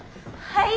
はい。